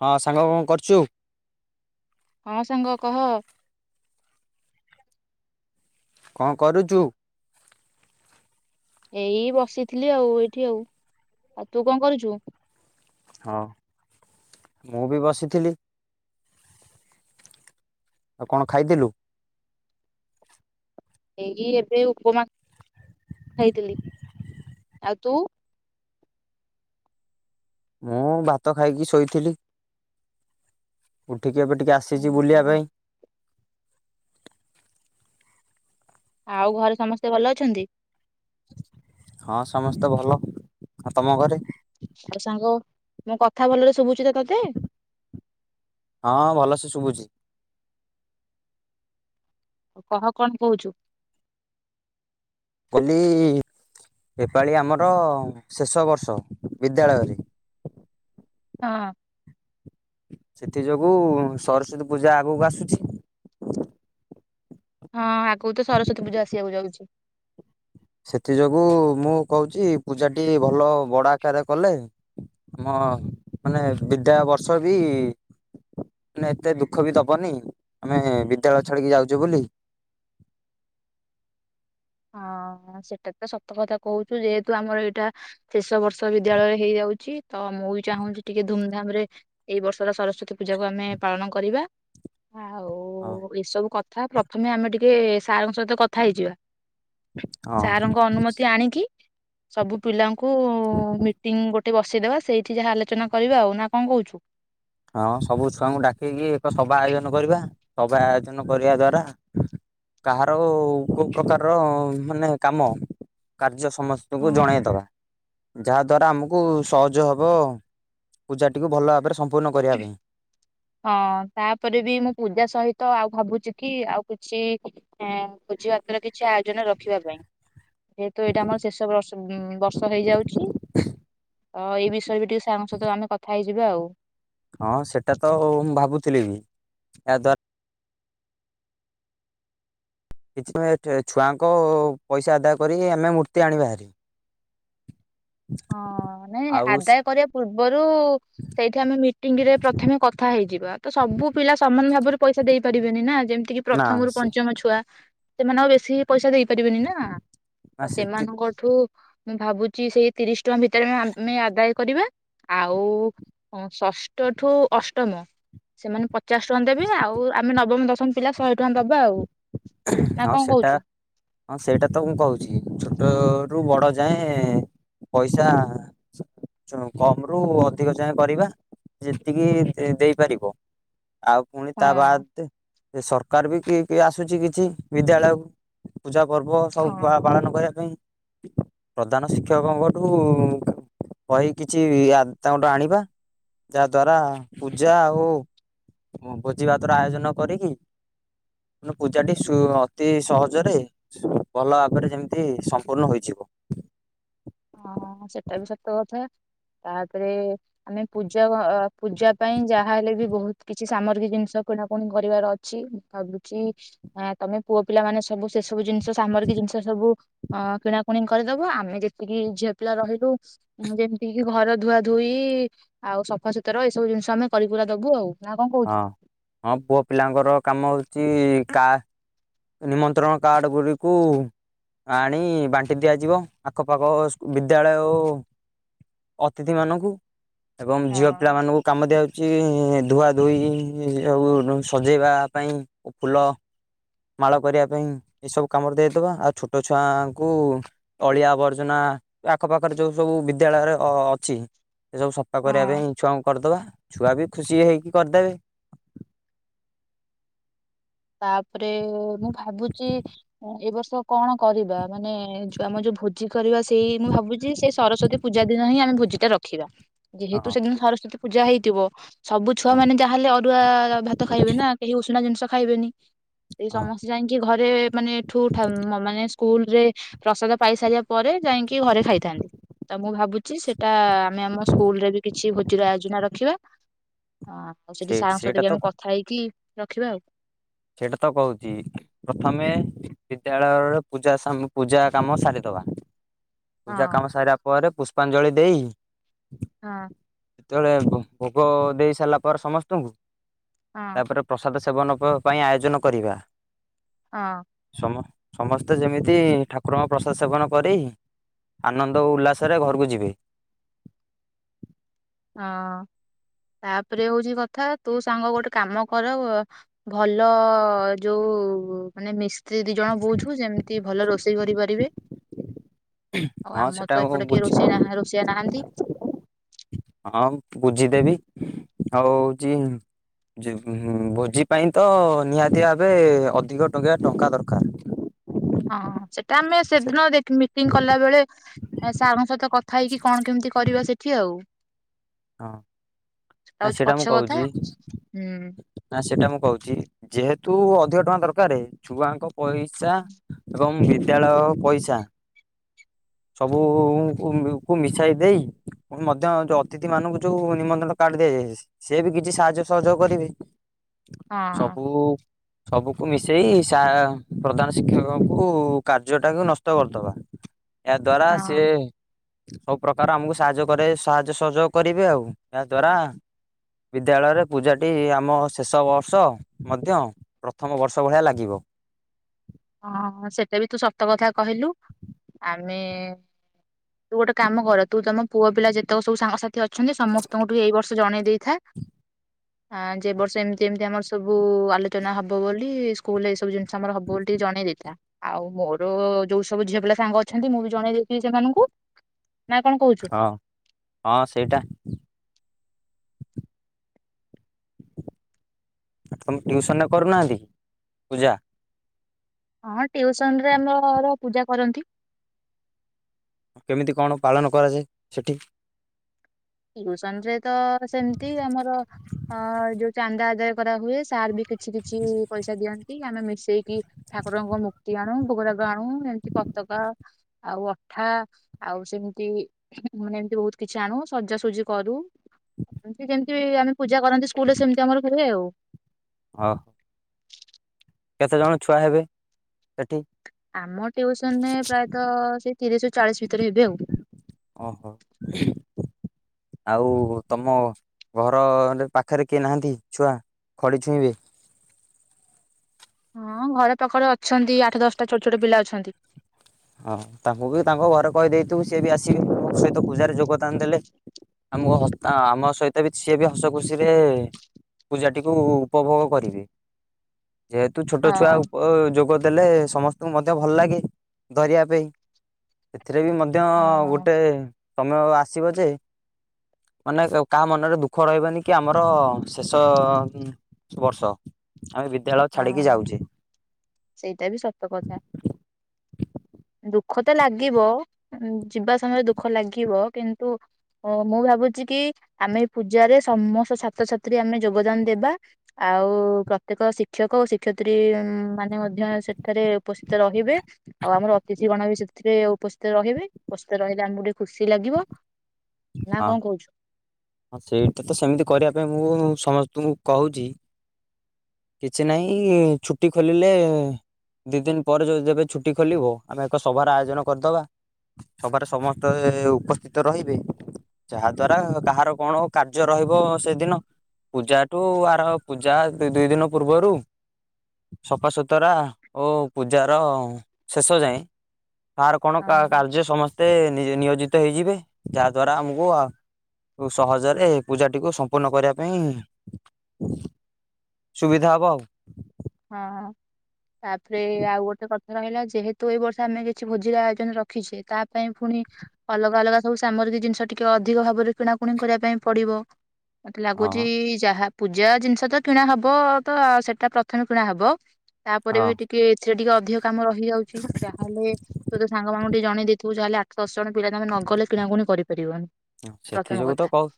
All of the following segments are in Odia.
ହଁ ସାଙ୍ଗ କଣ କରୁଛୁ? ଆ ସାଙ୍ଗ କହ? କଣ କରୁଚୁ? ଏଇ ବସିଥିଲି ଆଉ ଏଇଠି ଆଉ, ଆଉ ତୁ କଣ କରୁଚୁ? ହଁ ମୁଁ ବି ବସିଥିଲି, ଆଉ କଣ ଖାଇଥିଲୁ? ଏଇ ଏବେ ଉପମା ଖାଇଥିଲି, ଆଉ ତୁ ମୁଁ ଭାତ ଖାଇକି ଶୋଇଥିଲି, ଉ ଉଠିକି ଏବେ ଟିକେ ଆସିଛି ବୁଲିବା ଓହୋ। ପାଇଁ। ଆଉ ଘରେ ସମସ୍ତେ ଭଲ ଅଛନ୍ତି? ହଁ ସମସ୍ତେ ଭଲ, ଆଉ ତମ ଘରେ? ଆଉ ସାଙ୍ଗ ମୋ କଥା ଭଲରେ ଶୁଭୁ ହଁ ଭଲସେ ଶୁଭୁଛି। ଆଉ କହ କଣ କହୁଛୁ? କହିଲି ଏପାଳି ଆମର ଶେଷ ବର୍ଷ ବିଦ୍ୟାଳୟରେ, ହଁ। ସେଥି ଯୋଗୁ ସରସ୍ଵତୀ ପୂଜା ଆଗକୁ ଆସୁଛି ହଁ ଆଗକୁ ତ ସରସ୍ଵତୀ ପୂଜା ଆସିବାକୁ ଯାଉଛି। ସେଥି ଯୋଗୁ ମୁଁ କହୁଛି ପୂଜାଟି ଭଲ ବଡ ଆକାରରେ କଲେ ଆମ ମାନେ ବିଦାୟ ବର୍ଷ ବି ମାନେ ଏତେ ଦୁଃଖ ବି ଦବନି ଆମେ ବିଦ୍ୟାଳୟ ଛାଡିକି ଯାଉଛୁ ବୋଲି। ହଁ ସେଟା ତ ସତ କଥା କହୁଛୁ, ଯେହେତୁ ଆମର ଏଇଟା ଶେଷ ବର୍ଷ ବିଦ୍ୟାଳୟରେ ହେଇଯାଉଛି ତ ମୁଁ ବି ଚାହୁଁଛି ଟିକେ ଧୁମଧାମ ରେ ଏଇ ବର୍ଷର ସରସ୍ଵତୀ ପୂଜାକୁ ଆମେ ପାଳନ କରିବା। ହଁ ଆଉ ଏସବୁ କଥା କଥା, ପ୍ରଥମେ ଆମେ ଟିକେ ସାରଙ୍କ ସହିତ କଥା ହେଇଯିବା। ହଁ ସାରଙ୍କ ଅନୁମତି ଆଣିକି ସବୁ ପିଲାଙ୍କୁ ମିଟିଂ ଗୋଟେ ଗୋଟେ ବସିେଇଦବା ସେଇଠି ଯାହା ଆଲୋଚନା କରିବା, ଆଉ ନା କଣ କହୁଛୁ? ହଁ ସବୁ ଛୁଆଙ୍କୁ ଡାକିକି ଏକ ସଭା ଆୟୋଜନ କରିବା ସଭା ଆୟୋଜନ କରିବା ଦ୍ଵାରା କାହାର କୋଉ ପ୍ରକାରର ମାନେ କାମ କାର୍ଯ୍ୟ ହଁ ସମସ୍ତଙ୍କୁ ଜଣେଇଦବା। ଯାହା ଦ୍ଵାରା ଆମକୁ ସହଜ ହବ ପୂଜାଟିକୁ ଭଲ ଭାବରେ ସମ୍ପୂ ହଁ ତାପରେ ବି ମୁଁ ପୂଜା ସହିତ ଆଉ ଭାବୁଛି କି ଆଉ କିଛି ଭୋଜିଭାତର କିଛି ଆୟୋଜନ ରଖିବା ପାଇଁ ଯେହେତୁ ଏଇଟା ଆମର ଶେଷ ବର୍ଷ ଉ ବର୍ଷ ହେଇଯାଉଛି ତ ଏଇ ବିଷୟରେ ବି ଟିକେ ସାଙ୍ଗ ସହିତ ଆମେ କଥା ହେଇଯିବା ଆଉ। ହଁ ସେଇଟା ତ ମୁଁ ଭାବୁଥିଲି ବି ଏହାଦ୍ୱାରା କି ଛୁଆଙ୍କ ପଇସା ଆଦାୟ କରି ଆମେ ମୂର୍ତ୍ତି ଆଣିବାହାରି ହଁ ନାଇଁ ଆଦାୟ କରିବା ପୂର୍ବରୁ ସେଇଠି ଆମେ ମିଟିଙ୍ଗ ରେ ପ୍ରଥମେ କଥା ହେଇଯିବା ତ ସବୁ ପିଲା ସମାନ ଭାବରେ ପଇସା ଦେଇ ପାରିବନି ନା ଯେମିତିକି ନା ପ୍ରଥମରୁ ସେ ପଞ୍ଚମ ଛୁଆ ସେମାନେ ଆଉ ବେଶୀ ପଇସା ଦେଇ ପାରିବେନି ନା ଆ ନା ସେତି ସେମାନଙ୍କଠୁ ମୁଁ ଭାବୁଛି ସେଇ ତିରିଶ ଟଙ୍କା ଭିତରେ ଆମେ ଆଦାୟ କରିବା ଆଉ ଷଷ୍ଠଠୁ ଅଷ୍ଟମ ସେମାନେ ପଚାଶ ଟଙ୍କା ଦେବେ ଆଉ ଆମେ ନବମ ଦଶ ପିଲା ଶହେ ଟଙ୍କା ଦବା ଆଉ ନା ହଁ କଣ ସେଟା କହୁଛୁ? ହଁ ସେଇଟା ତ ମୁଁ କହୁଛି ଛୋଟ ରୁ ବଡ ଯାଏଁ ପଇସା କମ ରୁ ଅଧିକ ଯାଏଁ କରିବା ଯେତିକି ଦେଇପାରିବ। ଆଉ ପୁଣି ତା ହଁ। ବାଦେ ସେ ସରକାର ବି କି କି ଆସୁଛି କିଛି ବିଦ୍ୟାଳୟକୁ ପୂଜା ପର୍ବ ହଁ ସବୁ ପାଳନ କରିବା ପାଇଁ ପ୍ରଧାନ ଶିକ୍ଷକଙ୍କଠୁ କହି କିଛି ତାଙ୍କଠୁ ଆଣିବା ଯାହା ଦ୍ଵାରା ପୂଜା ଓ ଭୋଜି ଭାତର ଆୟୋଜନ କରିକି ମ ପୂଜାଟି ସୁ ଅତି ସହଜରେ ଭଲ ଭାବରେ ଯେମିତି ସମ୍ପୂର୍ଣ୍ଣ ହୋଇଯିବ। ହଁ ସେଟା ବି ସତ କଥା ତାପରେ ଆମେ ପୂଜା ପୂଜା ପାଇଁ ଯାହା ହେଲେ ବି ବହୁତ କିଛି ସାମଗ୍ରୀ ଜିନିଷ କିଣାକଣି କରିବାର ଅଛି ମୁଁ ଭାବୁଛି ତମେ ପୁଅ ପିଲା ମାନେ ସବୁ ସେସବୁ ଜିନିଷ ସାମରିକ ଜିନିଷ ସବୁ ହଁ କିଣାକୁଣି କରିଦବ ଆମେ ଯେ ଟିକେ ଝିଅ ପିଲା ରହିଲୁ ଯେମିତି କିି ଘର ଧୁଆ ଧୋଇ ଆଉ ସଫାସୁତୁରା ଏଇ ସବୁ ଜିନିଷ ଆମେ କରି କୁରା ଦବୁ ଆଉ। ନା କଣ କହୁଛୁ? ହଁ ହଁ ପୁଅ ପିଲାଙ୍କର କାମ ହଉଛି କା ନିମନ୍ତ୍ରଣ କାର୍ଡ ଗୁଡ଼ିକୁ ଆଣି ବାଣ୍ଟି ଦିଆଯିବ ଆଖପାଖ ବିଦ୍ୟାଳୟ ଅତିଥି ମାନଙ୍କୁ ଏବଂ ଝିଅ ହଁ ପିଲାମାନଙ୍କୁ କାମ ଦିଆହୋଉଛି। ଧୁଆ ଧୋଇ ସଉ ସଜେଇବା ପାଇଁ ଫୁଲ ମାଳ କରିବା ପାଇଁ ଏସବୁ କାମରେ ଦେଇଦବା ଆଉ ଛୋଟ ଛୁଆଙ୍କୁ ଅଳିଆ ଆବର୍ଜନା ଆଖ ପାାଖରେ ଯୋଉ ସବୁ ବିଦ୍ୟାଳୟରେ ଅଛି। ଏ ସବୁ ସଫା କରିବା ହଁ ପାଇଁ ଇଛଆ କରିଦବା। ଛୁଆ ବି ଖୁସି ହେଇକି କରିଦେବେ। ତାପରେ ମୁଁ ଭାବୁଛି ଏ ବର୍ଷ କଣ କରିବା ମାନେ ଆମ ଯୋଉ ଭୋଜି କରିବା ସେଇ ମୁଁ ଭାବୁଛି ସେଇ ସରସ୍ଵତୀ ପୂଜା ଦିନ ହିଁ ଆମେ ଭୋଜି ଟା ରଖିବା। ହଁ ଯେହେତୁ ସେଦିନ ସରସ୍ଵତ ପୂଜା ହେ। ଦିବ। ସବୁ ଛୁଆ ହଁ ମେ ଯାହା ହେଲେରୁଆ ଭାତ ଖାଇବେ ନା କେହି ଉଷୁଣ ଜିନିଷ। ଖାଇବ। ଁ [unintelligible] ସେଇ ହଁ ସମସ୍ତେ ଯାଇକି ଘରେ ମାନେ ଏଠୁ ମାନେ। ସ୍କୁଲ ରେ ପ୍ରସାଦ ପାଇସାରିବା ପରେ। ଯାଇକି ଘରେ ଖାଇଥାନ୍ତି ତ ମୁଁ ଭାବୁଛି ସେଇଟା ଆମେ ଆମ ସ୍କୁଲ ରେ ବି କିଛି ଭୋଜିର ଆୟୋଜନା ରଖିବା। ହଁ ଆଉ ସେ ସେଠି ସେଇଟା ସାଙ୍ଗସହିତ ବି ତ ଆମେ କଥା ହେଇକି। ରଖିବା ଆଉ। ସେଇଟା ତ କହୁଛି ପ୍ରଥମେ ବିଦ୍ୟାଳୟରେ ପୂଜା ସାମ ପୂଜା କାମ ସାରିଦବା। ପୂଜା କାମ ସଇରା ପରେ ପୁଷ୍ ପାଞ୍ଜଳି ଦେଇ। ହଁ ତେବେଳେ ଭୋଗ ଦେଇ ସାରିଲା ପରେ ସମସ୍ତଙ୍କୁ। ହଁ। ତାପରେ ପ୍ରସାଦ ସେ ସେବନ ପ ପାଇଁ ଆୟୋଜନ କରିବା। ହଁ ମ ସମସ୍ତେ ଯେମିତି ଠାକୁରଙ୍କ ପ୍ରସାଦ ସେବନ କରି ଆନନ୍ଦ ଓ ଉଲ୍ଲାସରେ ଘରକୁ ଯିବେ। ହଁ ତାପରେ ହଉଛି କଥା ତୁ ସାଙ୍ଗ ଗୋଟେ କାମ କର ଉ ଭଲ ଯୋଉ ମାନେ ମିଶ୍ ସେ ଦି ଜଣ ବୋଉଝୁ ଯେମିତି ଭଲ ରୋଷେଇ। ଇ କରିପାରିବେ। ଆଉ ହଁ ଆମର ସେଟା ତ ମୁଁ ଏପଟେ କି ବୁଝି ରୋଷେଇ ନାହା ରୋଷେଇଆ ନାହାନ୍ତି। ହଁ ବୁଝିଦେବି ଆଉ ହଉଛି ଜି ଭୋଜି ପାଇଁ ତ ନିହାତି ଭାବେ ଅଧିକ ଟଙ୍କା ଟଙ୍କା ଦରକାର। ହଁ ସେଟା ଆମେ ସେ ସେଦିନ ଦେଖ୍ ମିଟିଂ କଲା ବେଳେ ସାର୍ଙ୍କ ସହିତ କଥା ହେଇକି କଣ କେମିତି କରିବା ସେଠି ଆଉ। ହଁ ନା ହଉଛି ସେଟା ପଛ ମୁଁ କଥା କହୁଛି ହୁଁ ନା ସେଟା ମୁ। କହୁଛି ଯେହେତୁ ଅଧିକ ଟଙ୍କା ଦରକାର ଛୁଆଙ୍କ। ପଇସା ଏବଂ ହି ଦ୍ୟାଳୟ ପଇସା ସବୁ ଉଉଁ କୁ ମିଶାଇ ଦେଇ ମଧ୍ୟ ଯଦ୍ ତିଥି ମାନଙ୍କୁ ଯୋଉ ନିମନ୍ତ୍ରଣ କାର୍ଡ ଦିଆଯାଏ ସେ ବି କିଛି ସାହାଯ୍ୟ ସହଯୋଗ କରିବେ। ହଁ ସବୁ। ସବୁକୁ ମିଶେଇ ସା ପ୍ରଧାନ ଶିକ୍ଷକଙ୍କୁ କାର୍ଯ୍ୟ ଟାକୁ ନଷ୍ଟ କରିଦବା। ଏହା ଦ୍ଵାରା ସେ। ହଁ ସବୁ ପ୍ରକାର ଆମକୁ ସାହାଯ୍ୟ କରେ ସାହାଯ୍ୟ ସହଯୋଗ କରିବେ ଆଉ ଏହାଦ୍ୱାରା ବିଦ୍ୟାଳୟରେ ପୂଜାଟି ଆମ ଶେଷ ବର୍ଷ ମଧ୍ୟ ପ୍ରଥମ ବର୍ଷ ଭଳିଆ ଲାଗିବ। ହଁ ସେଟା ବି ତୁ ସତ କଥା କହିଲୁ ଆମେ ତୁ ଗୋଟେ କାମ କର ତୁ ତମ ପୁଅ ପିଲା ଯେତେକ ସବୁ ସାଙ୍ଗସାଥି ଥି ଅଛନ୍ତି ସମସ୍ତଙ୍କଠୁ ଏଇ ବର୍ଷ ଜଣେଇ ଦେଇଥା ଆଁ ଯେ ବର୍ଷ ଏମତି ଏମତି ଆମର ସବୁ ଆଲୋଚନା ହବ ବୋଲି ସ୍କୁଲ ଏ ସବୁ ଜିନିଷ ଆମର ହବ ବୋଲି ଠି ଜଣେଇ ଦେଇଥା ଆଉ ମୋର ଯୋଉ ସବୁ ଝିଅ ପିଲା ସାଙ୍ଗ ଅଛନ୍ତି ମୁଁ ବି ଜଣେଇ ଦେଇଥିଲି ସେମାନଙ୍କୁ। ନା କଣ କହୁଛୁ? ହଁ ହଁ ସେଇଟା। ତମେ ଟିଉସନରେ କରୁନାହାନ୍ତି ପୂଜା। ହଁ ଟିଉସନ୍ ରେ ଆମର ପୂଜା କରନ୍ତି। କେମିତି କଣ ପାଳନ କରାଯାଏ ସେଠି। ଟିଉସନ୍ ରେ ତ ସେମିତି ଆମର ଅ ଯୋଉ ଚାନ୍ଦା ଆଦାୟ କରା ହୁଏ ସାର ବି କିଛି କିଛି ପଇସା ଦିଅନ୍ତୁ କି ଆମେ ମିଶେଇକି ଠାକୁରଙ୍କ ମୁୂର୍ତି ଆଣୁ ଭୋଗଦାଗ ଆଣୁ ଏମତି କତକା ଆଉ ଅଠା ଆଉ ସେମିତି ମାନେ ଏମିତି ବହୁତ କିଛି ଆଣୁ ସଜାସଜି କରୁ। ଏମିତି ଆମେ ପୂଜା କରନ୍ତି ସ୍କୁଲରେ ସେମିତି ଆମ ହେଉ ହ ହୋ କେତେ ଜଣ ଛୁଆ ହେବେ ସେଠି ଆମ ଟ୍ୟଉସନରେ ପ୍ରାୟତଃ ସେଇ ତିରିଶ ର ଚାଳିଶ ଭିତରେ ହେବେ ଆଉ। ଓ ହୋ ଆଉ ତମ ଘର ପାଖରେ କିଏ ନାହାନ୍ତି ଛୁଆ ଖଡି ଛୁଇଁବେ। ହଁ ଘର ପାଖରେ ଅଛନ୍ତି ଆଠ ଦଶଟା ଛୋଟ ଛୋଟ ପିଲା ଅଛନ୍ତି। ହଁ ତାଙ୍କୁ ବି ତାଙ୍କ ଘରେ କହିଦେଇଥିବୁ ସିଏ ବି ଆସିବେ ଆମ ସହିତ ପୂଜାରେ ଯୋଗଦାନ ଦେଲେ ଆମକୁ ଆମ ସହିତ ବି ସିଏ ବି ହସ ଖୁସିରେ ପୂଜାଟିକୁ ଉପଭୋଗ କରିବେ। ଯେହେତୁ ଛୋଟ ଛୁଆ ହଁ ଯୋଗ ଦେଲେ ସମସ୍ତଙ୍କୁ ମଧ୍ୟ ଭଲ ଲାଗେ। ଧରିବା ପାଇଁ। ଏଥିରେ ବି ମଧ୍ୟ ହଁ ଗୋଟେ ସମୟ ଆସିବ ଯେ ମାନେ କାହା ମନରେ ଦୁଃଖ ରହିବନି କି ଆମର ଶେଷ ବର୍ଷ ଆମେ ବିଦ୍ୟାଳୟ ହଁ ଛାଡିକି ଯାଉଛେ ସେଇଟା ବି ସତ କଥା। ଦୁଃଖ ତ ଲାଗିବ ଯିବା ସମୟରେ ଦୁଃଖ ଲାଗିବ କିନ୍ତୁ ମୁଁ ଭାବୁଛି କି ଆମେ ପୂଜାରେ ସମସ୍ତ ଛାତ୍ରଛାତ୍ରୀ ଆମେ ଯୋଗଦାନ ଦେବା ଆଉ ପ୍ରତ୍ୟେକ ଶିକ୍ଷକ ଓ ଶିକ୍ଷୟତ୍ରୀ ମାନେ ମଧ୍ୟ ସେଠାରେ ଉପସ୍ଥିତ ରହିବେ ଆଉ ଆମର ଅତିଥି କଣ ବି ସେଥିରେ ଉପସ୍ଥିତ ରହିବେ ଉପସ୍ଥିତ ରହିଲେ ଆମକୁ ଟିକେ ଖୁସି ଲାଗିବ। ନା ହଁ କଣ କହୁଛୁ? ସେଇଟା ତ ସେମିତି କରିବା ପାଇଁ ମୁଁ ସମସ୍ତ ତୁ କହୁଛି କିଛି ନାହିଁ ଛୁଟି ଖୋଲିଲେ ଦୁଇ ଦିନ ପରେ ଯ ଯେବେ ଛୁଟି ଖୋଲିବ ଆମେ ଏକ ସଭାର ଆୟୋଜନ କରିଦେବା ସଭାରେ ସମସ୍ତେ ଉପସ୍ଥିତ ରହିବେ। ଯାହା ଦ୍ଵାରା କାହାର କଣ କାର୍ଯ୍ୟ ରହିବ ସେଦିନ ପୂଜାଠୁ ଆର ପୂଜା ଦୁଇ ଦିନ ପୂର୍ବରୁ ସକାସତୁରା ଓ ପୂଜାର ଶେଷ ଯାଏ। ସାର୍ କଣ ହଁ କାର୍ଯ୍ୟ ସମସ୍ତ ମତେ ନିୟୋଜିତ ହେଇଯିବେ ଯା ଦ୍ଵାରା ଆମକୁ ଆ ସହଜରେ ପୂଜାଟିକୁ ସମ୍ପୂର୍ଣ୍ଣ କରିବା ପାଇଁ ସୁବିଧା ହବ ଆଉ। ହଁ ତାପରେ ଆଉ ଗୋଟେ କଥା ରହିଲା ଯେହେତୁ ଏଇ ବର୍ଷ ଆମେ କିଛି ଭୋଜିିକା ଆୟୋଜନ ରଖିଛେ ତା ପାଇଁ ପୁଣି ଅଲଗା ଅଲଗା ସବୁ ସାମରିକ ଜିନିଷ ଟିକେ ଅଧିକ ଭାବରେ କିଣାକଣି କରିବା ପାଇଁ ପଡିବ। ମତେ ହଁ। ଲାଗୁଛି ଯାହା ପୂଜା ଜିନିଷ ତ କିଣା ହବ ତ ସେଇଟା ପ୍ର କିଣା କିଣି ହବ। ତାପରେ ହଁ ବି ଟିକେ ଏଥିରେ ଟିକେ ଅଧିକ କାମ ରହିଯାଉଛି ତାହେଲେ ତୁ ସାଙ୍ଗ ମାନଙ୍କୁ ଟିକେ ଜଣେଇ ଦେଇଥିବ ଯାହେଲେ ଆଠ ଜଣ ପିଲା ତମେ ନଗଲେ କିଣାକୁଣି କରିପାରିବନି। ସେଥି ପ୍ରଥମ ଯୋଗୁ ତ କଥା। କହୁ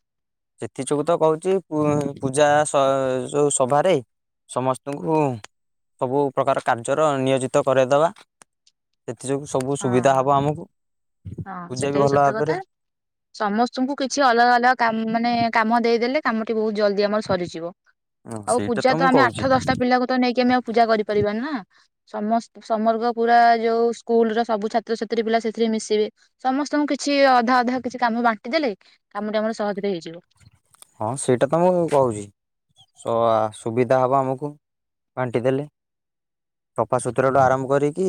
ସେଥି ଯୋଗୁ ତ କହୁଛି ପୁ ପୂଜା ଯେଉଁ ସଭାରେ ସମସ୍ତଙ୍କୁ ସବୁ ପ୍ରକାର କାର୍ଯ୍ୟର ନିୟୋଜିତ କରାଇଦେବା। ସେଥିଯୋଗୁଁ ସବୁ ହଁ ସୁବିଧା ହେବ ଆମକୁ ହଁ ପୂଜା ସେଟା ବି ଭଲ ସତ କଥା। ଭାବରେ। ସମସ୍ତଙ୍କୁ କିଛି ଅଲଗା ଅଲଗା କ ମାନେ କାମ ଦେଇ ଦେଲେ କାମଟି ବହୁତ ଜଲଦି ଆମର ସରିଯିବ ହଁ ଆଉ ସେଇଟା ପୂଜା ତ ମୁଁ ଆମେ କହୁଛି ଆଠ ଦଶଟା ପିଲାକୁ ତ ନେଇକି ଆମେ ଆଉ ପୂଜା କରିପାରିବାନି ନା। ସମସ୍ତ ସମର୍ଗ ପୁରା ଯୋଉ ସ୍କୁଲ ର ସବୁ ଛାତ୍ରଛାତ୍ରୀ ପିଲା ସେଥିରେ ମିଶିବେ ସମସ୍ତଙ୍କୁ କିଛି ଅଧା ଅଧା କିଛି କାମ ବାଣ୍ଟି ଦେଲେ କାମ ଟା ଆମର ସହଜରେ ହେଇଯିବ। ହଁ ସେଇଟା ତ ମୁଁ କହୁଛି ସୁ ସୁବିଧା ହେବ ଆମକୁ ବାଣ୍ଟି ଦେଲେ ସଫାସୁତୁରାଠୁ ଆରମ୍ଭ କରିକି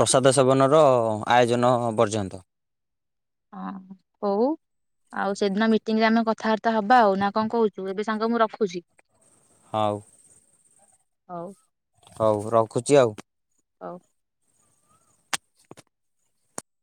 ପ୍ରସାଦ ସେବନର ଆୟୋଜନ ପର୍ଯ୍ୟନ୍ତ। ହଁ ହୋଉ ଆଉ ସେଦିନ ମିଟିଂ ରେ ଆମେ କଥାବାର୍ତ୍ତା ହବା ଆଉ ନା କଣ କହୁଛୁ ଏବେ ସାଙ୍ଗ ମୁଁ ରଖୁଚି। ହୋଉ। ହୋଉ। ହୋଉ ରଖୁଚି ଆଉ। ହୋଉ।